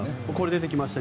出てきました。